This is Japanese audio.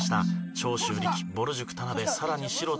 長州力ぼる塾田辺さらに城田優。